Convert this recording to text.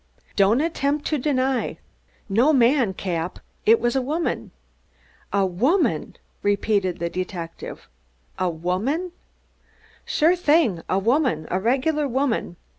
"Don't attempt to deny " "No man, Cap. It was a woman." "A woman!" the detective repeated. "A woman!" "Sure thing a woman, a regular woman.